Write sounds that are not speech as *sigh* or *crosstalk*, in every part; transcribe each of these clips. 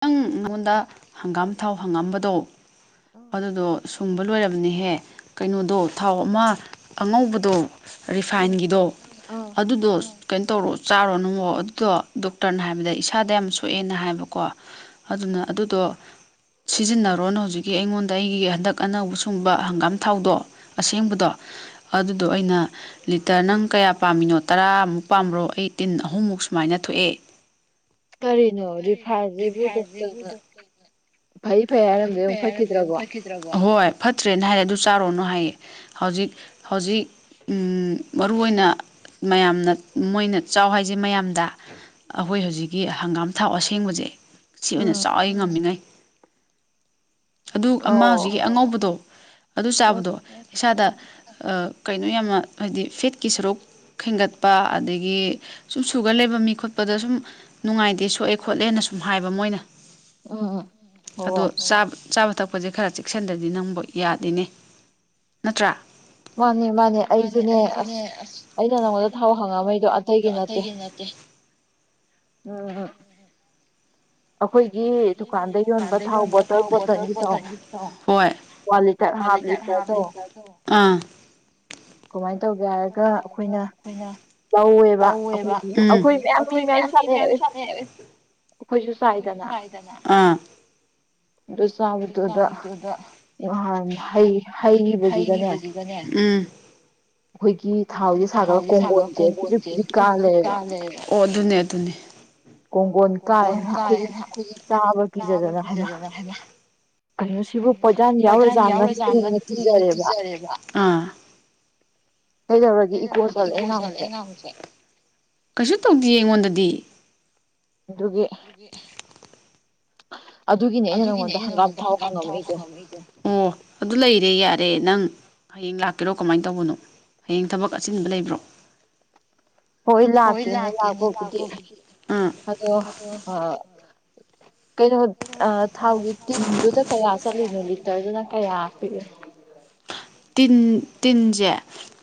ꯅꯪ ꯅꯉꯣꯟꯗ ꯍꯪꯒꯥꯝ ꯊꯥꯎ ꯍꯪꯉꯝꯕꯗꯣ ꯑꯗꯨꯗꯣ ꯁꯨꯡꯕ ꯂꯣꯏꯔꯕ ꯅꯦꯍꯦ ꯀꯩꯅꯣꯗꯣ ꯊꯥꯎ ꯑꯃ ꯑꯉꯧꯕꯗꯣ ꯔꯤꯐꯥꯏꯟꯒꯤꯗꯣ ꯑꯗꯨꯗꯣ ꯀꯩꯅꯣ ꯇꯧꯔꯣ ꯆꯥꯔꯨꯔꯣ ꯅꯨꯉꯣ ꯑꯗꯨꯗꯣ ꯗꯣꯛꯇꯔꯅ ꯍꯥꯏꯕꯗ ꯏꯁꯥꯗ ꯌꯥꯝ ꯁꯣꯛꯑꯦꯅ ꯍꯥꯏꯕꯀꯣ ꯑꯗꯨꯅ ꯑꯗꯨꯗꯣ ꯁꯤꯖꯤꯟꯅꯔꯣꯅ ꯍꯧꯖꯤꯛꯀꯤ ꯑꯩꯉꯣꯟꯗ ꯑꯩꯒꯤ ꯍꯟꯗꯛ ꯑꯅꯧꯕ ꯁꯨꯡꯕ ꯍꯪꯒꯥꯝ ꯊꯥꯎꯗꯣ ꯑꯁꯦꯡꯕꯗꯣ ꯑꯗꯨꯗꯣ ꯑꯩꯅ ꯂꯤꯇꯔ ꯅꯪ ꯀꯌꯥ ꯄꯥꯝꯃꯤꯅꯣ ꯇꯔꯥꯃꯨꯛ ꯄꯥꯝꯕ꯭ꯔꯣ ꯑꯩ ꯇꯤꯟ ꯑꯍꯨꯝꯃꯨꯛ ꯁꯨꯃꯥꯏꯅ ꯊꯣꯛꯑꯦ ꯀꯔꯤꯅꯣ ꯁꯥꯔꯁꯤꯕꯨ ꯗꯣꯛꯇꯔꯅ ꯐꯩ ꯐꯩ ꯍꯥꯏꯔꯝꯗꯦ ꯑꯃꯨꯛ ꯐꯈꯤꯗ꯭ꯔꯕꯣ ꯍꯣꯏ ꯐꯠꯇ꯭ꯔꯦꯅ ꯍꯥꯏꯔ ꯑꯗꯨ ꯆꯥꯔꯣꯅꯨ ꯍꯥꯏꯌꯦ ꯍꯧꯖꯤꯛ ꯍꯧꯖꯤꯛ ꯃꯔꯨ ꯑꯣꯏꯅ ꯃꯌꯥꯝꯅ ꯃꯣꯏꯅ ꯆꯥꯎ ꯍꯥꯏꯁꯦ ꯃꯌꯥꯝꯗ ꯑꯩꯈꯣꯏ ꯍꯧꯖꯤꯛꯀꯤ ꯍꯪꯒꯥꯝ ꯊꯥꯎ ꯑꯁꯦꯡꯕꯁꯦ ꯁꯤ ꯑꯣꯏꯅ ꯆꯥꯎ ꯉꯝꯃꯤꯉꯩ ꯑꯗꯨ ꯑꯃ ꯍꯧꯖꯤꯛꯀꯤ ꯑꯉꯧꯕꯗꯣ ꯑꯗꯨ ꯆꯥꯕꯗꯣ ꯏꯁꯥꯗ ꯀꯩꯅꯣ ꯌꯥꯝꯅ ꯍꯥꯏꯗꯤ ꯐꯦꯠꯀꯤ ꯁꯔꯨꯛ ꯈꯦꯟꯒꯠꯄ ꯑꯗꯒꯤ ꯁꯨꯝ ꯁꯨꯒꯔ ꯂꯩꯕ ꯃꯤ ꯈꯣꯠꯄꯗ ꯁꯨꯝ ꯅꯨꯡꯉꯥꯏꯇꯦ ꯁꯣꯛꯑꯦ ꯈꯣꯠꯂꯦꯅ ꯁꯨꯝ ꯍꯥꯏꯕ ꯃꯣꯏꯅ ꯎꯝꯝ ꯑꯣ ꯥ ꯆꯥꯕ ꯊꯛꯄꯁꯦ ꯈꯔ ꯆꯦꯛꯁꯤꯟꯗꯗꯤ ꯅꯪꯕ ꯌꯥꯗꯦꯅꯦ ꯅꯠꯇ꯭ꯔꯥ ꯃꯥꯅꯦ ꯃꯥꯅꯦ ꯑꯩꯁꯨꯅꯦ ꯑꯁ ꯑꯩꯅ ꯅꯪꯉꯣꯟꯗ ꯊꯥꯎ ꯍꯪꯉꯕꯩꯗꯣ ꯑꯇꯩꯒꯤ ꯅꯠꯇꯦ ꯎꯝ ꯑꯩꯈꯣꯏꯒꯤ ꯗꯨꯀꯥꯟꯗ ꯌꯣꯟꯕ ꯊꯥꯎ ꯕꯣꯇꯜ ꯕꯣꯇꯜꯒꯤꯗꯣ ꯋꯥ ꯂꯤꯇꯔ ꯍꯥꯕ ꯂꯤꯇꯔꯗꯣ ꯀꯃꯥꯏꯅ ꯇꯧꯒꯦ ꯍꯥꯏꯔꯒ ꯑꯩꯈꯣꯏꯅ ꯑꯩꯈꯣꯏꯅ ꯂꯧꯋꯦꯕ ꯑꯩꯈꯣꯏ ꯑꯩꯈꯣꯏ ꯃꯌꯥꯝ ꯃꯤ ꯃꯌꯥꯝ ꯁꯥꯟꯅꯩ ꯑꯩꯈꯣꯏꯁꯨ ꯆꯥꯏꯗꯅ ꯑꯗꯨ ꯆꯥꯕꯗꯨꯗ ꯍꯥꯟ ꯍꯩꯈꯤꯕꯁꯤꯒꯅꯦ ꯑꯩꯈꯣꯏꯒꯤ ꯊꯥꯎꯁꯦ ꯁꯥꯒꯠꯂꯒ ꯀꯣꯡꯒꯣꯟꯁꯦ ꯍꯧꯖꯤꯛ ꯄꯨꯖꯤꯛ ꯀꯥꯜꯂꯦꯕ ꯑꯣ ꯑꯗꯨꯅꯦ ꯑꯗꯨꯅꯦ ꯀꯣꯡꯒꯣꯟ ꯀꯥꯏꯔꯦ ꯍꯥꯏꯅ ꯑꯩꯈꯣꯏꯒꯤ ꯆꯥꯕ ꯄꯤꯖꯗꯅ ꯍꯥꯏꯅ ꯀꯩꯅꯣ ꯁꯤꯕꯨ ꯄꯣꯖꯥꯟ ꯌꯥꯎꯔꯖꯥ ꯉꯪꯗꯦꯅ ꯀꯤꯖꯔꯦꯕ ꯀꯩꯗꯧꯔꯗꯤ ꯏꯀꯣ ꯆꯣꯜꯂꯦ ꯉꯥꯡꯁꯦ ꯊꯖꯦ ꯀꯩꯁꯨ ꯇꯧꯗꯤꯌꯦ ꯑꯩꯉꯣꯟꯗꯗꯤ ꯑꯗꯨꯒꯤ ꯑꯗꯨꯒꯤꯅꯦ ꯑꯩꯅ ꯅꯪꯉꯣꯟꯗ ꯍꯪꯒꯥꯝ ꯊꯥꯎ ꯍꯪꯉꯝꯃꯛꯏꯗꯣ ꯑꯣ ꯑꯗꯨ ꯂꯩꯔꯦ ꯌꯥꯔꯦ ꯅꯪ ꯍꯌꯦꯡ ꯂꯥꯛꯀꯦꯔꯣ ꯀꯃꯥꯏ ꯇꯧꯕꯅꯣ ꯍꯌꯦꯡ ꯊꯕꯛ ꯑꯆꯤꯟꯕ ꯂꯩꯕ꯭ꯔꯣ ꯍꯣꯏ ꯂꯥꯛꯀꯦꯅꯦ ꯂꯥꯛꯄꯕꯨꯗꯤ ꯑꯗꯣ ꯑ ꯀꯩꯅꯣ ꯑ ꯊꯥꯎꯒꯤ ꯇꯤꯟꯗꯨꯗ ꯀꯌꯥ ꯆꯠꯂꯤꯅꯣ ꯂꯤꯇꯔꯗꯅ ꯀꯌꯥ ꯄꯤꯔꯦ ꯇꯤꯟ ꯇꯤꯟꯖꯦ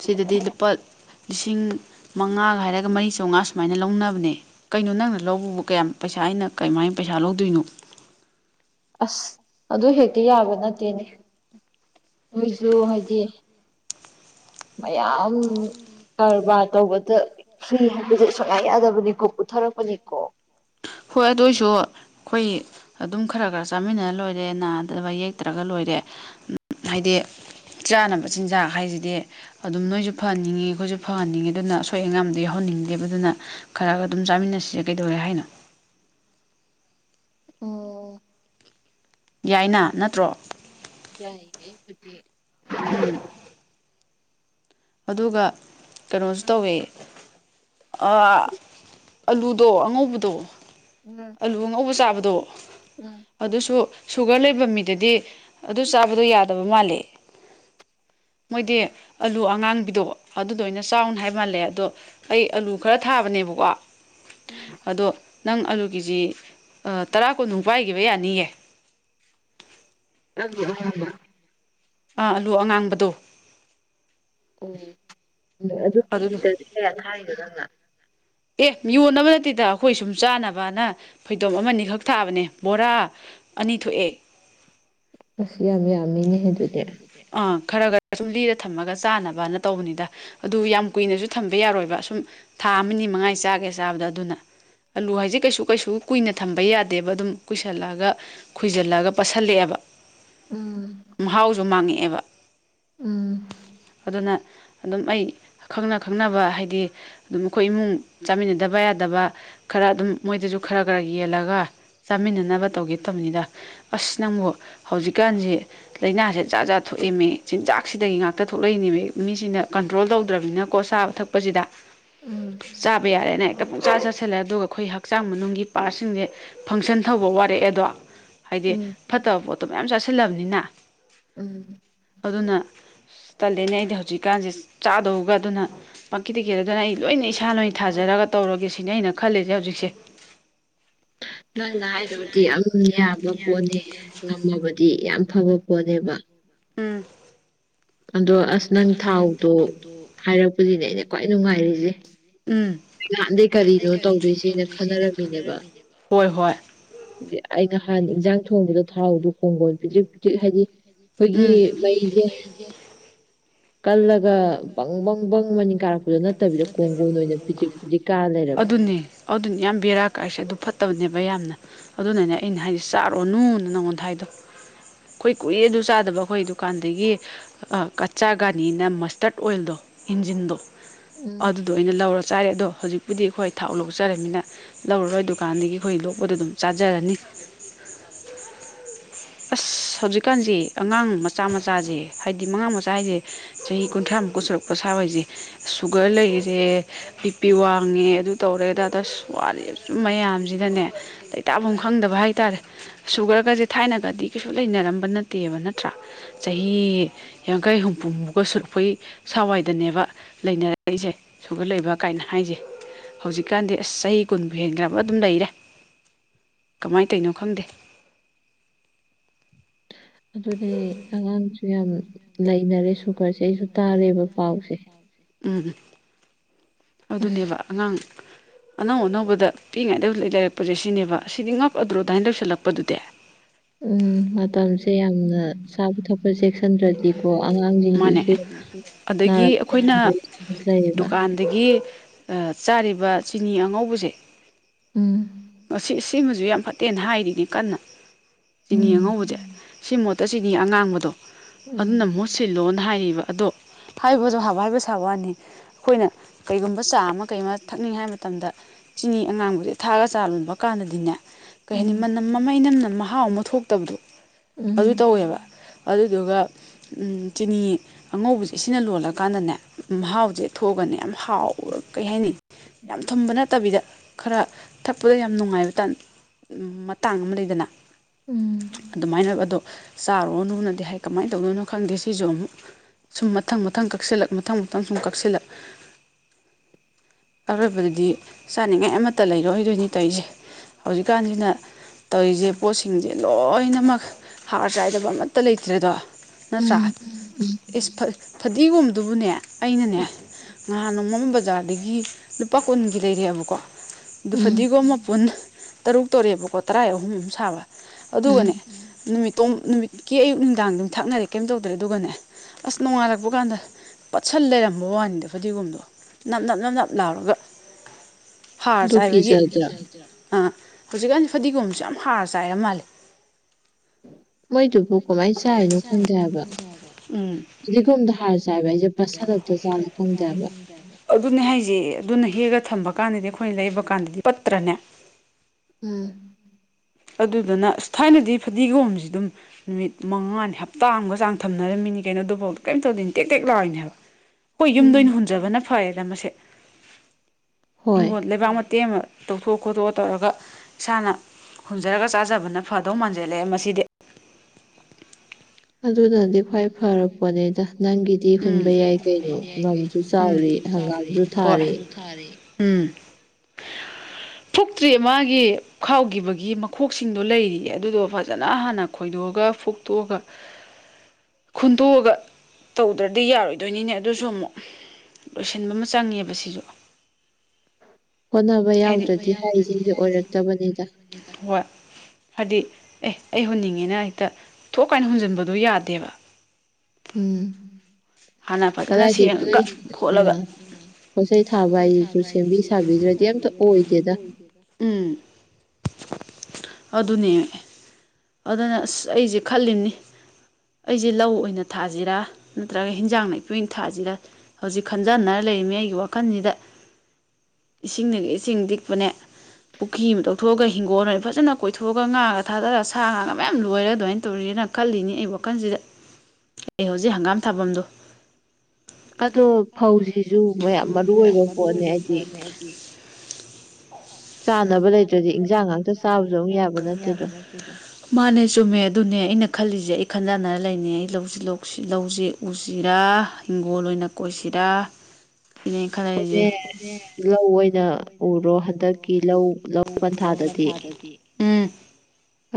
ꯁꯤꯗꯗꯤ ꯂꯨꯄꯥ ꯂꯤꯁꯤꯡ ꯃꯉꯥꯒ ꯍꯥꯏꯔꯒ ꯃꯔꯤ ꯆꯥꯎꯉꯥ ꯁꯨꯃꯥꯏꯅ ꯂꯧꯅꯕꯅꯦ ꯀꯩꯅꯣ ꯅꯪꯅ ꯂꯧꯕꯕꯨ ꯀꯌꯥꯝ ꯄꯩꯁꯥ ꯑꯩꯅ ꯀꯃꯥꯏꯅ ꯄꯩꯁꯥ ꯂꯧꯗꯣꯏꯅꯣ ꯑꯁ ꯑꯗꯨ ꯍꯦꯛꯇꯤ ꯌꯥꯕ ꯅꯠꯇꯦꯅꯦ ꯃꯣꯏꯁꯨ ꯍꯥꯏꯗꯤ ꯃꯌꯥꯝ ꯀꯔꯕꯥꯔ ꯇꯧꯕꯗ ꯐ꯭ꯔꯤ ꯍꯥꯏꯕꯁꯦ ꯁꯨꯡꯉꯥꯏ ꯌꯥꯗꯕꯅꯤꯀꯣ ꯎꯊꯔꯛꯄꯅꯤꯀꯣ ꯍꯣꯏ ꯇꯣꯏꯁꯨ ꯑꯩꯈꯣꯏ ꯑꯗꯨꯝ ꯈꯔ ꯈꯔ ꯆꯥꯃꯤꯟꯅꯔ ꯂꯣꯏꯔꯦ ꯅꯥꯗꯕ ꯌꯦꯛꯇ꯭ꯔꯒ ꯂꯣꯏꯔꯦ ꯍꯥꯏꯗꯤ ꯆꯥꯅꯕ ꯆꯤꯟꯖꯥꯛ ꯍꯥꯏꯁꯤꯗꯤ ꯑꯗꯨꯝ ꯅꯣꯏꯁꯨ ꯐꯍꯟꯅꯤꯡꯉꯦ ꯑꯩꯈꯣꯏꯁꯨ ꯐꯍꯟꯅꯤꯡꯉꯦ ꯑꯗꯨꯅ ꯑꯁꯣꯏ ꯑꯉꯥꯝꯗꯣ ꯌꯥꯎꯍꯟꯅꯤꯡꯗꯦꯕ ꯑꯗꯨꯅ ꯈꯔ ꯈꯔ ꯑꯗꯨꯝ ꯆꯥꯃꯤꯟꯅꯁꯤꯁꯦ ꯀꯩꯗꯧꯋꯦ ꯍꯥꯏꯅꯣ ꯑꯣ ꯌꯥꯏꯅ ꯅꯠꯇ꯭ꯔꯣ ꯌꯥꯏꯌꯦ ꯑꯩꯕꯨꯗꯤ ꯑꯗꯨꯒ ꯀꯩꯅꯣꯁꯨ ꯇꯧꯋꯦ ꯑꯥ ꯑꯂꯨꯗꯣ ꯑꯉꯧꯕꯗꯣ ꯎꯝ ꯑꯂꯨ ꯑꯉꯧꯕ ꯆꯥꯕꯗꯣ ꯑ ꯑꯗꯨꯁꯨ ꯁꯨꯒꯔ ꯂꯩꯕ ꯃꯤꯗꯗꯤ ꯑꯗꯨ ꯆꯥꯕꯗꯣ ꯌꯥꯗꯕ ꯃꯥꯜꯂꯦ ꯃꯣꯏꯗꯤ ꯑꯂꯨ ꯑꯉꯥꯟꯕꯤꯗꯣ ꯑꯗꯨꯗꯣ ꯑꯣꯏꯅ ꯆꯥꯎꯅ ꯍꯥꯏꯕ ꯃꯥꯜꯂꯦ ꯑꯗꯣ ꯑꯩ ꯑꯂꯨ ꯈꯔ ꯊꯥꯕꯅꯦꯕꯀꯣ ꯑꯗꯣ ꯅꯪ ꯑꯂꯨ ꯀꯦꯖꯤ ꯑ ꯇꯔꯥ ꯀꯨꯟꯃꯨꯛ ꯄꯥꯏꯒꯤꯕ ꯌꯥꯅꯤꯌꯦ ꯅꯪꯗꯣ ꯑꯍꯣꯡꯕ ꯑꯥ ꯑꯂꯨ ꯑꯉꯥꯡꯕꯗꯣ ꯑꯣ ꯑꯗꯨ ꯀꯦꯖꯤꯗꯗꯤ ꯀꯌꯥ ꯊꯥꯔꯤꯅꯣ ꯅꯪꯅ ꯑꯦ ꯌꯣꯟꯅꯕ ꯅꯠꯇꯦꯗ ꯑꯩꯈꯣꯏ ꯁꯨꯝ ꯆꯥꯅꯕꯅ ꯐꯩꯗꯣꯝ ꯑꯃ ꯑꯅꯤꯈꯛ ꯊꯥꯕꯅꯦ ꯕꯣꯔꯥ ꯑꯅꯤ ꯊꯣꯛꯑꯦ ꯑꯁ ꯌꯥꯝ ꯌꯥꯝꯃꯤꯅꯦꯍꯦ ꯑꯗꯨꯗꯤ ꯑꯥ ꯈꯔ ꯈꯔ ꯁꯨꯝ ꯂꯤꯔ ꯊꯝꯃꯒ ꯆꯥꯅꯕꯅ ꯇꯧꯕꯅꯤꯗ ꯑꯗꯨ ꯌꯥꯝ ꯀꯨꯏꯅꯁꯨ ꯊꯝꯕ ꯌꯥꯔꯣꯏꯕ ꯁꯨꯝ ꯊꯥ ꯑꯃꯅꯤ ꯃꯉꯥꯏ ꯆꯥꯒꯦ ꯆꯥꯕꯗ ꯑꯗꯨꯅ ꯑꯂꯨ ꯍꯥꯏꯁꯦ ꯀꯩꯁꯨ ꯀꯩꯁꯨ ꯀꯨꯏꯅ ꯊꯝꯕ ꯌꯥꯗꯦꯕ ꯑꯗꯨꯝ ꯀꯨꯏꯁꯜꯂꯛꯑꯒ ꯈꯨꯏꯖꯤꯜꯂꯒ ꯄꯠꯁꯤꯜꯂꯛꯑꯦꯕ ꯎꯝ ꯃꯍꯥꯎꯁꯨ ꯃꯥꯡꯉꯛꯑꯦꯕ ꯎꯝ ꯑꯗꯨꯅ ꯑꯗꯨꯝ ꯑꯩ ꯈꯪꯅ ꯈꯪꯅꯕ ꯍꯥꯏꯗꯤ ꯑꯗꯨꯝ ꯑꯩꯈꯣꯏ ꯏꯃꯨꯡ ꯆꯥꯃꯤꯟꯅꯗꯕ ꯌꯥꯗꯕ ꯈꯔ ꯑꯗꯨꯝ ꯃꯣꯏꯗꯁꯨ ꯈꯔ ꯈꯔ ꯌꯦꯜꯂꯒ ꯆꯥꯃꯤꯟꯅꯅꯕ ꯇꯧꯒꯦ ꯇꯕꯅꯤꯗ ꯑꯁ ꯅꯪꯕꯨ ꯍꯧꯖꯤꯛꯀꯥꯟꯖꯦ ꯂꯩꯅꯥꯁꯦ ꯖꯥꯠ ꯖꯥꯠ ꯊꯣꯛꯑꯦꯃꯤ ꯆꯤꯟꯖꯥꯛꯁꯤꯗꯒꯤ ꯉꯥꯛꯇ ꯊꯣꯛꯂꯛꯏꯅꯦꯃꯤ ꯃꯤꯁꯤꯅ ꯀꯟꯇ꯭ꯔꯣꯜ ꯇꯧꯗ꯭ꯔꯕꯅꯤꯅꯀꯣ ꯆꯥꯕ ꯊꯛꯄꯁꯤꯗ ꯆꯥꯕ ꯌꯥꯔꯦꯅꯦ ꯍꯦꯛꯇ ꯄꯨꯡꯆꯥ ꯆꯥꯁꯤꯜꯂꯦ ꯑꯗꯨꯒ ꯑꯩꯈꯣꯏ ꯍꯛꯆꯥꯡ ꯃꯅꯨꯡꯒꯤ ꯄꯥ꯭ꯔꯠꯁꯤꯡꯁꯦ ꯐꯪꯁꯟ ꯊꯧꯕ ꯋꯥꯔꯛꯑꯦꯗꯣ ꯍꯥꯏꯗꯤ ꯐꯠꯇꯕ ꯄꯣꯠꯇꯣ ꯃꯌꯥꯝ ꯆꯥꯁꯤꯜꯂꯕꯅꯤꯅ ꯎꯝ ꯑꯗꯨꯅ ꯇꯜꯂꯦꯅꯦ ꯑꯩꯗꯤ ꯍꯧꯖꯤꯛꯀꯥꯟꯖꯧ ꯆꯥꯗꯧꯒ ꯑꯗꯨꯅ ꯄꯪꯀꯤꯗ ꯀꯤꯔꯦ ꯑꯗꯨꯅ ꯑꯩ ꯂꯣꯏꯅ ꯏꯁꯥ ꯑꯣꯏ ꯊꯥꯖꯔꯒ ꯇꯧꯔꯒꯦ ꯁꯤꯅꯦ ꯑꯩꯅ ꯈꯜꯂꯤꯖꯦ ꯍꯧꯖꯤꯛꯁꯦ ꯅꯪꯅ ꯍꯥꯏꯗꯨꯗꯤ ꯌꯥꯝ ꯌꯥꯕ ꯄꯣꯠꯅꯦ ꯉꯝꯃꯕꯗꯤ ꯌꯥꯝ ꯐꯕ ꯄꯣꯠꯅꯦꯕ ꯎꯝ *inaudible* ꯑꯗꯣ ꯑꯁ ꯅꯪ ꯊꯥꯎꯗꯣ ꯍꯥꯏꯔꯛꯄꯗꯤꯅꯦ ꯑꯩꯅ ꯈ꯭ꯋꯥꯏ ꯅꯨꯡꯉꯥꯏꯔꯤꯁꯦ ꯅꯍꯥꯟꯗꯩ ꯀꯔꯤꯅꯣ ꯇꯧꯗꯣꯏꯖꯦꯅ ꯈꯟꯅꯔꯝꯃꯤꯅꯦꯕ ꯍꯣꯏ ꯍꯣꯏ ꯑꯩ ꯉꯍꯥꯟ ꯏꯟꯖꯥꯡ ꯊꯣꯡꯕꯗ ꯊꯥꯎꯗꯨ ꯀꯣꯡꯒꯣꯟ ꯄꯤꯗ꯭ꯔꯤꯛ ꯄꯤꯗ꯭ꯔꯤꯛ ꯍꯥꯏꯗꯤ ꯎꯝ ꯀꯜꯂꯒ ꯕꯪ ꯕꯪ ꯕꯪ ꯃꯅꯤꯟ ꯀꯥꯔꯛꯄꯤꯗꯣ ꯅꯠꯇꯕꯤꯗ ꯀꯣꯡꯒꯣꯟ ꯑꯣꯏꯅ ꯄꯤꯗꯤꯛ ꯄꯤꯗꯤꯛ ꯑꯗꯨꯅꯦ ꯑꯗꯨꯅꯤ ꯌꯥꯝ ꯕꯦꯔꯥ ꯀꯥꯏꯁꯦ ꯑꯗꯨ ꯐꯠꯇꯕꯅꯦꯕ ꯌꯥꯝꯅ ꯑꯗꯨꯅꯅꯦ ꯑꯩꯅ ꯍꯥꯏꯖꯦ ꯆꯥꯔꯣꯅꯨꯅ ꯅꯪꯉꯣꯟꯗ ꯍꯥꯏꯗꯣ ꯑꯩꯈꯣꯏ ꯀꯨꯏꯔꯦ ꯑꯗꯨ ꯆꯥꯗꯕ ꯑꯩꯈꯣꯏ ꯗꯨꯀꯥꯟꯗꯒꯤ ꯑ ꯀꯆꯥ ꯒꯥꯅꯤꯅ ꯃꯁꯇꯥ꯭ꯔꯠ ꯑꯣꯏꯜꯗꯣ ꯏꯟꯖꯤꯟꯗꯣ ꯑꯗꯨꯗꯣ ꯑꯣꯏꯅ ꯂꯧꯔ ꯆꯥꯔꯦ ꯑꯗꯣ ꯍꯧꯖꯤꯛꯄꯨꯗꯤ ꯑꯩꯈꯣꯏ ꯊꯥꯎ ꯂꯣꯛꯆꯔꯝꯅꯤꯅ ꯂꯧꯔꯔꯣꯏ ꯗꯨꯀꯥꯟꯗꯒꯤ ꯑꯩꯈꯣꯏ ꯂꯣꯛꯄꯗꯣ ꯑꯗꯨꯝ ꯆꯥꯖꯔꯅꯤ ꯑꯁ ꯍꯧꯖꯤꯛꯀꯥꯟꯖꯦ ꯑꯉꯥꯡ ꯃꯆꯥ ꯃꯆꯥꯖꯦ ꯍꯥꯏꯗꯤ ꯃꯉꯥꯡ ꯃꯆꯥ ꯍꯥꯏꯖꯦ ꯆꯍꯤ ꯀꯨꯟꯊ꯭ꯔꯥꯃꯨꯛꯀ ꯁꯨꯔꯛꯄ ꯁꯋ꯭ꯥꯢ ꯋꯥꯢꯖꯦ ꯁꯨꯒꯔ ꯂꯩꯔꯦ ꯕꯤꯄꯤ ꯋꯥꯡꯉꯦ ꯑꯗꯨ ꯇꯧꯔꯦꯗ ꯑꯗꯥ ꯇꯧꯔꯦ ꯁꯨꯝ ꯃꯌꯥꯝꯁꯤꯗꯅꯦ ꯂꯩꯇꯥꯚꯝ ꯈꯪꯗꯕ ꯍꯥꯏꯇꯥꯔꯦ ꯁꯨꯒꯔꯒꯁꯦ ꯊꯥꯏꯅ ꯅꯗꯤ ꯀꯩꯁꯨ ꯂꯩꯅꯔꯝꯕ ꯅꯠꯇꯦꯕ ꯅꯠꯇ꯭ꯔꯥ ꯆꯍꯤ ꯌꯥꯡꯈꯩ ꯍꯨꯝꯐꯨꯃꯨꯛꯒ ꯁꯨꯔꯛꯄꯩ ꯁꯋꯥꯏ ꯋꯥꯢꯗꯅꯦꯕ ꯂꯩꯅꯔꯛꯏꯁꯦ ꯁꯨꯒ ꯂꯩꯕ ꯀꯥꯏꯅ ꯍꯥꯏꯖꯦ ꯍꯧꯖꯤꯛꯀꯥꯟꯗꯤ ꯑꯁ ꯆꯍꯤ ꯀꯨꯟꯕꯨ ꯍꯦꯟꯒ꯭ꯔꯕ ꯑꯗꯨꯝ ꯂꯩꯔꯦ ꯀꯃꯥꯏ ꯇꯧꯢꯅꯣ ꯈꯪꯗꯦ ꯑꯗꯨꯅꯦ ꯑꯉꯥꯡꯁꯨ ꯌꯥꯝ ꯂꯩꯅꯔꯦ ꯁꯨꯒꯔꯁꯦ ꯑꯩꯖꯨ ꯇꯥꯔꯦꯕ ꯄꯥꯎꯁꯦ ꯎꯝ ꯎꯝ ꯑꯗꯨꯅꯦꯕ ꯑꯉꯥꯡ ꯑꯅꯧ ꯑꯅꯧꯕꯗ ꯄꯤꯛꯉꯥꯏꯗ ꯂꯩꯔꯛꯄꯖꯦ ꯁꯤꯅꯦꯕ ꯁꯤꯗꯤ ꯉꯛꯑꯗ꯭ꯔꯣ ꯑꯗꯨꯃꯥꯏꯅ ꯇꯧꯁꯤꯜꯂꯛꯄꯗꯨꯗꯤ ꯎꯝ ꯃꯇꯝꯁꯦ ꯌꯥꯝꯅ ꯆꯥꯕ ꯊꯛꯄ ꯆꯦꯛꯁꯟꯗ꯭ꯔꯗꯤꯀꯣ ꯑꯉꯥꯡꯖꯤꯡꯖꯤꯖꯨ ꯅꯥꯔꯛꯄ ꯌꯥꯕꯩ ꯆꯥꯟꯁ ꯂꯩꯌꯦꯕ ꯑꯗꯒꯤ ꯆꯥꯔꯤꯕ ꯆꯤꯅꯤ ꯑꯉꯧꯕꯖꯦ ꯁꯤ ꯁꯤ ꯁꯤꯃꯖꯨ ꯌꯥꯝ ꯐꯠꯇꯦꯅ ꯍꯥꯏꯔꯤꯅꯦ ꯀꯟꯅ ꯆꯤꯅꯤ ꯑꯉꯧꯕꯖꯦ ꯁꯤ ꯃꯍꯨꯠꯇ ꯆꯤꯅꯤ ꯑꯉꯥꯡꯕꯗꯣ ꯑꯗꯨꯅ ꯑꯃꯨꯠ ꯁꯤꯜꯂꯣꯅ ꯍꯥꯏꯔꯤꯕ ꯑꯗꯣ ꯍꯥꯏꯕꯁꯨꯕ ꯍꯥꯏꯕ ꯁꯥꯕ ꯋꯥꯅꯤ ꯑꯩꯈꯣꯏꯅ ꯀꯩꯒꯨꯝꯕ ꯆꯥ ꯑꯃ ꯀꯩ ꯑꯃ ꯊꯛꯅꯤꯡꯉꯦ ꯍꯥꯏꯕ ꯃꯇꯝꯗ ꯆꯤꯅꯤ ꯑꯉꯥꯡꯕꯖꯦ ꯊꯥꯛꯑꯒ ꯆꯥ ꯂꯣꯟꯕ ꯀꯥꯟꯗꯗꯤꯅꯦ ꯀꯩ ꯍꯥꯏꯅꯤ ꯃꯅꯝ ꯑꯃ ꯏꯅꯝ ꯅꯝ ꯃꯍꯥꯎ ꯑꯃ ꯊꯣꯛꯇꯕꯗꯣ ꯎꯝ ꯑꯗꯨ ꯇꯧꯋꯦꯕ ꯑꯗꯨꯗꯨꯒ ꯆꯤꯅꯤ ꯑꯉꯧꯕꯖꯦ ꯁꯤꯅ ꯂꯣꯜꯂꯀꯥꯟꯗꯅꯦ ꯃꯍꯥꯎꯖꯦ ꯊꯣꯛꯑꯒꯅꯦ ꯌꯥꯝ ꯍꯥꯎ ꯀꯩ ꯍꯥꯏꯅꯤ ꯌꯥꯝ ꯊꯨꯝꯕ ꯅꯠꯇꯕꯤꯗ ꯈꯔ ꯊꯛꯄꯗ ꯌꯥꯝ ꯅꯨꯡꯉꯥꯏꯕ ꯃꯇꯥꯡ ꯑꯃ ꯂꯩꯗꯅ ꯎꯝ ꯑꯗꯨꯃꯥꯏꯅ ꯑꯗꯣ ꯆꯥꯔꯨꯔꯅꯨꯅꯗꯤ ꯍꯥꯏ ꯀꯃꯥꯏ ꯇꯧꯗꯣꯏꯅꯣ ꯈꯪꯗꯦ ꯁꯤꯖꯨ ꯑꯃꯨꯛ ꯁꯨꯝ ꯃꯊꯪ ꯃꯊꯪ ꯀꯛꯁꯤꯜꯂꯛ ꯃꯊꯪ ꯃꯊꯪ ꯁꯨꯝ ꯀꯛꯁꯤꯜꯂꯛ ꯑꯔꯣꯏꯕꯗꯗꯤ ꯆꯥꯅꯤꯡꯉꯥꯏ ꯑꯃꯠꯇ ꯂꯩꯔꯣꯏꯗꯣꯏꯅꯤ ꯇꯧꯔꯤꯖꯦ ꯍꯧꯖꯤꯛꯀꯥꯟꯁꯤꯅ ꯇꯧꯋꯤꯖꯦ ꯄꯣꯠꯁꯤꯡꯖꯦ ꯂꯣꯏꯅꯃꯛ ꯍꯥꯔ ꯆꯥꯏꯗꯕ ꯑꯃꯠꯇ ꯂꯩꯇ꯭ꯔꯦꯗꯣ ꯅꯠꯇ꯭ꯔꯥ ꯢꯁ ꯐꯗꯤꯒꯣꯝꯗꯨꯕꯨꯅꯦ ꯑꯩꯅꯅꯦ ꯉꯍꯥꯟ ꯅꯣꯡꯃꯝ ꯕꯖꯥꯔꯗꯒꯤ ꯂꯨꯄꯥ ꯀꯨꯟꯒꯤ ꯂꯩꯔꯤꯑꯦꯕꯀꯣ ꯑꯗꯨ ꯐꯗꯤꯒꯣꯝ ꯃꯄꯨꯟ ꯇꯔꯨꯛ ꯇꯧꯔꯛꯦꯕꯀꯣ ꯇꯔꯥꯏ ꯑꯍꯨꯝ ꯑꯍꯨꯝ ꯁꯥꯕ ꯑꯗꯨꯒꯅꯤ ꯅꯨꯃꯤꯠꯇꯣ ꯅꯨꯃꯤꯠꯀꯤ ꯑꯌꯨꯛ ꯅꯨꯡꯗꯥꯡꯗꯨꯝ ꯊꯛꯅꯔꯦ ꯀꯩꯝ ꯇꯧꯗ꯭ꯔꯦ ꯑꯗꯨꯒꯅꯦ ꯑꯁ ꯅꯣꯡꯉꯥꯜꯂꯛꯄ ꯀꯥꯟꯗ ꯄꯠꯁꯟ ꯂꯩꯔꯝꯕ ꯋꯥꯅꯤꯗ ꯐꯗꯤꯒꯣꯝꯗꯣ ꯅꯞ ꯅꯞ ꯅꯞ ꯅꯞ ꯂꯥꯎꯔꯒ ꯍꯥꯔ ꯆꯥꯏꯕꯒꯤ ꯑꯥ ꯍꯧꯖꯤꯛꯀꯥꯟꯗꯤ ꯐꯗꯤꯒꯣꯝꯁꯨ ꯌꯥꯝ ꯍꯥꯔ ꯆꯥꯏꯔ ꯃꯥꯜꯂꯦ ꯃꯣꯏꯗꯨꯕꯨ ꯀꯃꯥꯏꯅ ꯆꯥꯏꯅꯣ ꯈꯪꯗꯦ ꯍꯥꯏꯕ ꯐꯗꯤꯒꯣꯝꯗ ꯍꯥꯔ ꯆꯥꯏꯕ ꯍꯥꯏꯁꯦ *unintelligible* ꯑꯗꯨꯅꯦ ꯍꯥꯏꯖꯦ ꯑꯗꯨꯅ ꯍꯦꯛꯒ ꯊꯝꯕ ꯀꯥꯟꯗꯗꯤ ꯑꯩꯈꯣꯏꯅ ꯂꯩꯕ ꯀꯥꯟꯗꯗꯤ ꯄꯠꯇ꯭ꯔꯅꯦ ꯎꯝ ꯑꯗꯨꯗꯅ ꯊꯥꯏꯅꯗꯤ ꯐꯗꯤꯒꯣꯝꯖꯤ ꯗꯨꯝ ꯅꯨꯃꯤꯠ ꯃꯉꯥꯅꯤ ꯍꯞꯇꯥ ꯑꯃꯒ ꯆꯥꯡ ꯊꯝꯅꯔꯝꯃꯤꯅꯤ ꯀꯩꯅꯣ ꯑꯗꯨꯚꯥꯎꯗ ꯀꯩꯝ ꯇꯧꯗꯦ ꯇꯦꯛ ꯇꯦꯛ ꯂꯥꯎꯔꯤꯅꯦ ꯍꯥꯢꯕ ꯈꯣꯏ ꯌꯨꯝꯗ ꯑꯣꯏꯅ ꯍꯨꯟꯖꯕꯅ ꯐꯔꯦꯗ ꯃꯁꯤ ꯍꯤꯡꯒꯣꯟ ꯂꯩꯕꯥꯛ ꯃꯇꯦꯛ ꯑꯃ ꯇꯧꯊꯣꯛ ꯈꯣꯠꯇꯣꯛ ꯇꯧꯔꯒ ꯏꯁꯥꯅ ꯍꯨꯟꯖꯔꯒ ꯆꯥꯖꯕꯅ ꯐꯗꯧ ꯃꯥꯟꯖꯜꯂꯛꯑꯦ ꯃꯁꯤꯗꯤ ꯑꯗꯨꯅꯗꯤ ꯈ꯭ꯋꯥꯏ ꯐꯔꯄꯣꯠꯅꯤꯗ ꯅꯪꯒꯤꯗꯤ ꯍꯨꯟꯕ ꯌꯥꯏ ꯀꯩꯅꯣ ꯂꯝꯁꯨ ꯆꯥꯎꯔꯤ ꯍꯪꯒꯥꯝꯁꯨ ꯊꯥꯔꯤ ꯎꯝ ꯊꯨꯛꯇ꯭ꯔꯤ ꯃꯥꯒꯤ ꯈꯥꯎꯈꯤꯕꯒꯤ ꯃꯈꯣꯛꯁꯤꯡꯗꯣ ꯂꯩꯔꯤꯌꯦ ꯑꯗꯨꯗꯣ ꯐꯖꯅ ꯍꯥꯟꯅ ꯈꯣꯏꯗꯣꯛꯑꯒ ꯐꯨꯛꯇꯣꯛꯑꯒ ꯈꯨꯟꯗꯣꯛꯑꯒ ꯇꯧꯗ꯭ꯔꯗꯤ ꯌꯥꯔꯣꯏꯗꯣꯏꯅꯤꯅꯦ ꯑꯗꯨꯁꯨ ꯑꯃꯨꯛ ꯂꯣꯏꯁꯤꯟꯕ ꯑꯃ ꯆꯪꯉꯦꯕ ꯁꯤꯁꯨ ꯍꯣꯠꯅꯕ ꯌꯥꯎꯗ꯭ꯔꯗꯤ ꯍꯥꯏꯔꯤꯁꯤꯡꯁꯦ ꯑꯣꯏꯔꯛꯇꯕꯅꯤꯗ ꯍꯣꯏ ꯍꯥꯏꯗꯤ ꯑꯦ ꯑꯩ ꯍꯨꯟꯅꯤꯡꯉꯦꯅ ꯍꯦꯛꯇ ꯊꯣꯛꯀꯥꯏꯅ ꯍꯨꯟꯖꯟꯕꯗꯣ ꯌꯥꯗꯦꯕ ꯎꯝ ꯀꯗꯥꯏꯒꯤ ꯑꯥ ꯄꯣꯠꯆꯩ ꯊꯥꯕ ꯍꯥꯏꯁꯤꯁꯨ ꯁꯦꯝꯕꯤ ꯁꯥꯕꯤꯗ꯭ꯔꯗꯤ ꯑꯝꯇ ꯑꯣꯏꯗꯦꯗ ꯎꯝ ꯑꯗꯨꯅꯦ ꯑꯗꯨꯅ ꯑꯁ ꯑꯩꯁꯦ ꯈꯜꯂꯤꯕꯅꯤ ꯑꯩꯁꯦ ꯂꯧ ꯑꯣꯏꯅ ꯊꯥꯁꯤꯔꯥ ꯅꯠꯇ꯭ꯔꯒ ꯍꯤꯟꯖꯥꯡꯅ ꯏꯄꯨꯏ ꯊꯥꯁꯤꯗ ꯍꯧꯖꯤꯛ ꯈꯟꯖꯥꯟꯅꯔ ꯂꯩꯔꯤꯃꯤ ꯑꯩꯒꯤ ꯋꯥꯈꯜꯁꯤꯗ ꯏꯁꯤꯡꯅꯒ ꯏꯁꯤꯡ ꯂꯤꯛꯄꯅꯦ ꯄꯨꯈ꯭ꯔꯤ ꯑꯃ ꯇꯧꯊꯣꯛꯑꯒ ꯍꯤꯡꯒꯣꯜ ꯑꯣꯏ ꯐꯖꯅ ꯀꯣꯏꯊꯣꯛꯑꯒ ꯉꯥꯒ ꯊꯥꯗꯔꯒ ꯁꯥ ꯉꯥꯒ ꯃꯌꯥꯝ ꯂꯣꯏꯔ ꯑꯗꯨꯃꯥꯏꯅ ꯇꯧꯔꯤꯅ ꯈꯜꯂꯤꯅꯤ ꯑꯩ ꯋꯥꯈꯜꯁꯤꯗ ꯑꯩ ꯍꯧꯖꯤꯛ ꯍꯪꯒꯥꯝ ꯊꯥꯐꯝꯗꯣ ꯑꯗꯣ ꯐꯧꯁꯤꯁꯨ ꯃꯌꯥꯝ ꯃꯔꯨ ꯑꯣꯏꯕ ꯄꯣꯠꯅꯤ ꯍꯥꯏꯗꯤ *unintelligible* ꯆꯥꯅꯕ ꯂꯩꯇ꯭ꯔꯗꯤ ꯏꯟꯖꯥꯡ ꯉꯥꯛꯇ ꯆꯥꯕꯁꯨ ꯑꯃꯨꯛ ꯌꯥꯕ ꯅꯠꯇꯦꯗꯣ ꯃꯥꯟꯅꯦ ꯆꯨꯝꯃꯦ ꯑꯗꯨꯅꯦ ꯑꯩꯅ ꯈꯜꯂꯤꯁꯦ ꯑꯩ ꯈꯟꯖꯥꯟꯅꯔ ꯂꯩꯅꯤ ꯑꯩ ꯂꯧꯁꯤ ꯂꯧꯁꯤ ꯂꯧꯁꯤ ꯎꯁꯤꯔ ꯍꯤꯡꯒꯣꯜ ꯑꯣꯏꯅ ꯀꯣꯏꯁꯤꯔ ꯑꯩꯈꯣꯏꯅꯦ ꯂꯧ ꯑꯣꯏꯅ ꯎꯔꯣ ꯍꯟꯗꯛꯀꯤ ꯂꯧ ꯂꯧ ꯂꯧ ꯀꯟꯊꯥꯗꯗꯤ ꯎꯝ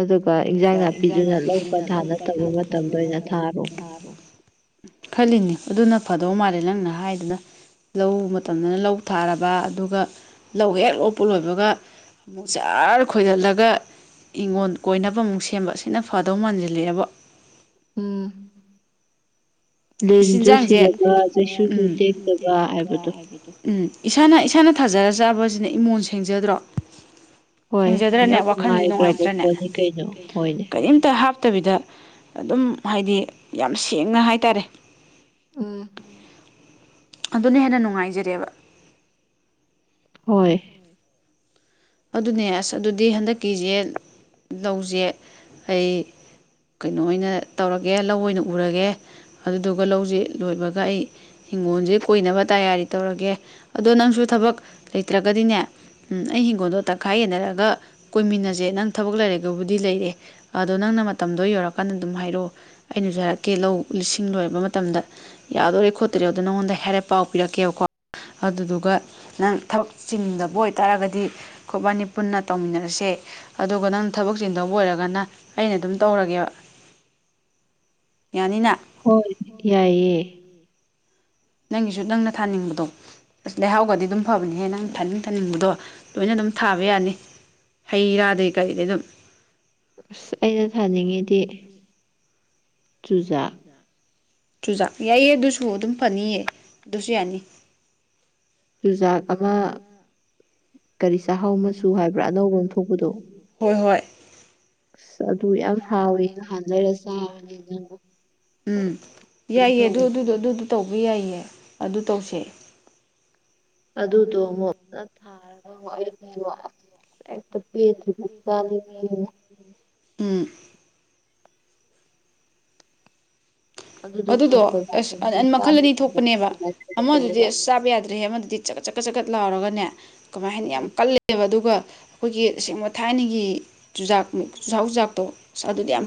ꯑꯗꯨꯒ ꯏꯟꯖꯥꯡ ꯅꯥꯄꯤꯗꯨꯅ ꯂꯧ ꯄꯟꯊꯥ ꯅꯠꯇꯕ ꯃꯇꯝꯗ ꯑꯣꯏꯅ ꯊꯥꯔꯣ ꯇꯥꯔꯣ ꯈꯜꯂꯤꯅꯤ ꯑꯗꯨꯅ ꯐꯗꯧ ꯃꯥꯜꯂꯦ ꯅꯪꯅ ꯍꯥꯏꯗꯨꯅ ꯂꯧ ꯃꯇꯝꯗꯅ ꯂꯧ ꯊꯥꯔꯕ ꯑꯗꯨꯒ ꯂꯧ ꯍꯦꯛ ꯂꯣꯛꯄ ꯂꯣꯏꯕꯒ ꯑꯃꯨꯛ ꯆꯥꯔ ꯈꯣꯏꯖꯤꯜꯂꯒ ꯏꯪꯒꯣꯟ ꯀꯣꯏꯅꯕ ꯑꯃꯨꯛ ꯁꯦꯝꯕ ꯁꯤꯅ ꯐꯗꯧ ꯃꯥꯟꯁꯤꯜꯂꯛꯑꯦꯕꯣ ꯎꯝ ꯂꯤꯟꯁꯨ ꯁꯤꯗꯕ ꯆꯩꯁꯨꯁꯨ ꯇꯦꯛꯇꯕ ꯍꯥꯏꯕꯗꯣ ꯎꯝ ꯏꯁꯥꯅ ꯏꯁꯥꯅ ꯊꯥꯖꯔ ꯆꯥꯕꯁꯤꯅ ꯏꯃꯣꯟ ꯁꯦꯡꯖꯗ꯭ꯔꯣ ꯁꯤꯡꯖꯗ꯭ꯔꯅꯦ ꯋꯥꯈꯜꯁꯦ ꯅꯨꯡꯉꯥꯏꯇ꯭ꯔꯅꯦ ꯀꯔꯤꯝ ꯇ ꯍꯥꯞꯇꯕꯤꯗ ꯑꯗꯨꯝ ꯍꯥꯏꯗꯤ ꯌꯥꯝ ꯁꯦꯡꯅ ꯍꯥꯏꯇꯥꯔꯦ ꯎꯝ ꯑꯗꯨꯅ ꯍꯦꯟꯅ ꯅꯨꯡꯉꯥꯏꯖꯔꯦꯕ ꯍꯣꯏ ꯑꯗꯨꯅꯦ ꯑꯁ ꯑꯗꯨꯗꯤ ꯍꯟꯗꯛꯀꯤꯁꯦ ꯂꯧꯁꯦ ꯑꯩ ꯀꯩꯅꯣ ꯑꯣꯏꯅ ꯇꯧꯔꯒꯦ ꯂꯧ ꯑꯣꯏꯅ ꯎꯔꯒꯦ ꯑꯗꯨꯗꯨꯒ ꯂꯧꯁꯦ ꯂꯣꯏꯕꯒ ꯑꯩ ꯍꯤꯡꯒꯣꯜꯁꯦ ꯀꯣꯏꯅꯕ ꯇꯌꯥꯔꯤ ꯇꯧꯔꯒꯦ ꯑꯗꯣ ꯅꯪꯁꯨ ꯊꯕꯛ ꯂꯩꯇ꯭ꯔꯒꯗꯤꯅꯦ ꯎꯝ ꯑꯩ ꯍꯤꯡꯒꯣꯜꯗꯣ ꯇꯪꯈꯥꯏ ꯌꯦꯟꯅꯔꯒ ꯀꯣꯏꯃꯤꯟꯅꯁꯦ ꯅꯪ ꯊꯕꯛ ꯂꯩꯔꯒꯕꯨꯗꯤ ꯂꯩꯔꯦ ꯑꯗꯣ ꯅꯪꯅ ꯃꯇꯝꯗꯣ ꯌꯧꯔꯀꯥꯟꯗ ꯑꯗꯨꯝ ꯍꯥꯏꯔꯛꯑꯣ ꯑꯩꯅꯁꯨ ꯍꯥꯏꯔꯛꯀꯦ ꯂꯧ ꯂꯤꯁꯤꯡ ꯂꯣꯏꯔꯕ ꯃꯇꯝꯗ ꯌꯥꯗꯣꯔꯦ ꯈꯣꯠꯇꯣꯔꯦ ꯑꯗꯣ ꯅꯪꯉꯣꯟꯗ ꯍꯥꯏꯔꯞ ꯄꯥꯎ ꯄꯤꯔꯛꯀꯦꯕꯀꯣ ꯑꯗꯨꯗꯨꯒ ꯅꯪ ꯊꯕꯛ ꯆꯤꯡꯗꯕ ꯑꯣꯏꯇꯔꯒꯗꯤ ꯈꯨꯠꯕꯥꯅꯤ ꯄꯨꯟꯅ ꯇꯧꯃꯤꯟꯅꯔꯁꯦ ꯑꯗꯨꯒ ꯅꯪꯅ ꯊꯕꯛ ꯆꯤꯟꯗꯧꯕ ꯑꯣꯏꯔꯒꯅ ꯑꯩꯅ ꯑꯗꯨꯝ ꯇꯧꯔꯒꯦꯕ ꯌꯥꯅꯤꯅ ꯍꯣꯏ ꯌꯥꯏꯌꯦ ꯅꯪꯒꯤꯁꯨ ꯅꯪꯅ ꯊꯥꯅꯤꯡꯕꯗꯣ ꯑꯁ ꯂꯩꯍꯥꯎꯒꯗꯤ ꯑꯗꯨꯝ ꯐꯕꯅꯤꯍꯦ ꯅꯪ ꯊꯥꯅꯤꯡ ꯊꯥꯅꯤꯡꯕꯗꯣ ꯂꯣꯏꯅ ꯑꯗꯨꯝ ꯊꯥꯕ ꯌꯥꯅꯤ ꯍꯩ ꯔꯥꯗꯩ ꯀꯔꯤꯗꯩ ꯑꯗꯨꯝ ꯑꯁ ꯑꯩꯅ ꯊꯥꯅꯤꯡꯉꯤꯗꯤ ꯆꯨꯖꯥꯛ ꯌꯥꯏꯑ ꯑꯗꯨꯁꯨ ꯑꯗꯨꯝ ꯐꯅꯤꯌꯦ ꯑꯗꯨꯁꯨ ꯌꯥꯅꯤ ꯆꯨꯖꯥꯛ ꯑꯃ ꯀꯔꯤ ꯆꯥꯛꯍꯥꯎ ꯃꯆꯨ ꯍꯥꯏꯕ꯭ꯔꯥ ꯑꯅꯧꯕ ꯑꯃ ꯊꯣꯛꯄꯗꯣ ꯑꯁ ꯑꯗꯨ ꯌꯥꯝ ꯍꯥꯎꯌꯤ ꯅꯍꯥꯟ ꯂꯩꯔ ꯆꯥꯕꯅꯤ ꯅꯪꯕꯨ ꯎꯝ ꯌꯥꯏꯌꯦ ꯑꯗꯨ ꯑꯗꯨꯗꯣ ꯑꯗꯨꯗꯣ ꯇꯧꯕ ꯌꯥꯏꯌꯦ ꯑꯗꯨ ꯇꯧꯁꯦ ꯑꯗꯨꯗꯣ ꯃꯨꯛ ꯐꯅ ꯊꯥꯔꯒ ꯑꯩꯗꯤ ꯑꯁ ꯍꯦꯛꯇ ꯄꯦꯛꯗꯔꯤꯕꯨ ꯎꯝ ꯑꯗꯨꯗꯣ ꯑꯁ ꯃꯈꯜ ꯑꯅꯤ ꯊꯣꯛꯄꯅꯦꯕ ꯑꯃꯗꯨꯗꯤ ꯑꯁ ꯆꯥꯕ ꯌꯥꯗ꯭ꯔꯦ ꯑꯃꯗꯨꯗꯤ ꯆꯀꯠ ꯆꯀꯠ ꯆꯀꯠ ꯂꯥꯎꯔꯒꯅꯦ ꯀꯃꯥꯏ ꯍꯥꯏꯅꯤ ꯌꯥꯝ ꯀꯜꯂꯦꯕ ꯑꯗꯨꯒ ꯑꯩꯈꯣꯏꯒꯤ ꯑꯁꯦꯡꯕ ꯊꯥꯏꯅꯒꯤ ꯆꯨꯖꯥꯛ ꯆꯨꯍꯥꯛ ꯆꯨꯖꯥꯛꯇꯣ ꯑꯗꯨꯗꯤ ꯌꯥꯝ